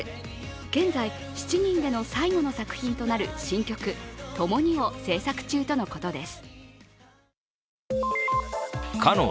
現在、７人での最後の作品となる新曲「ともに」を制作中とのことです。